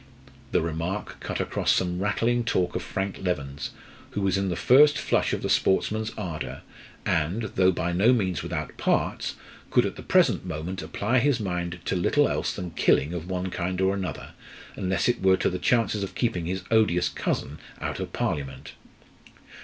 The remark cut across some rattling talk of Frank Leven's, who was in the first flush of the sportsman's ardour, and, though by no means without parts, could at the present moment apply his mind to little else than killing of one kind or another, unless it were to the chances of keeping his odious cousin out of Parliament.